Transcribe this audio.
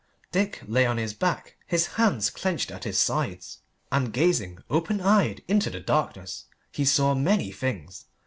Dick lay on his back, his hands clenched at his sides, and, gazing open eyed into the darkness, he saw many things.